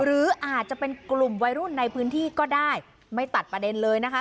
หรืออาจจะเป็นกลุ่มวัยรุ่นในพื้นที่ก็ได้ไม่ตัดประเด็นเลยนะคะ